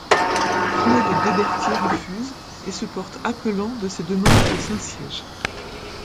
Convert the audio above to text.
Claude Debertier refuse et se porte appelant de ces demandes au Saint-Siège.